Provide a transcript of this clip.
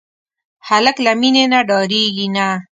هلک له مینې نه ډاریږي نه.